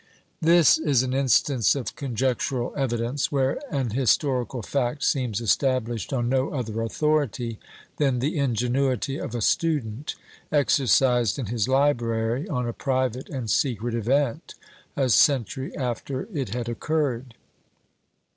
This is an instance of conjectural evidence, where an historical fact seems established on no other authority than the ingenuity of a student, exercised in his library, on a private and secret event, a century after it had occurred.